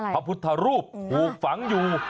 พระพุทธรูปถูกฝังอยู่